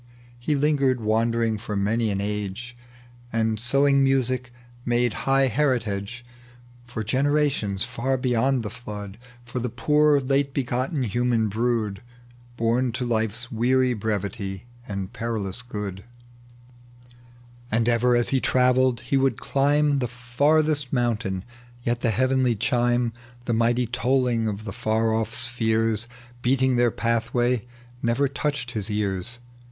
He lingered wandering for many an age. And, sowing music, made high heritage For generations far beyond the Flood — For the poor late begotten human brood Born to life's weary brevity and perilous good. .tec bv Google 28 THE LEGEND OF JTJBAL. And ever as he trayelled he would climb Tke faitheet mountain, yet the heavenly chime, The mighty tolling of the far off spheres Beating their pathway, never touched his ears.